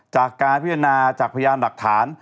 จากการพิจารณาจากพยานหลักฐาน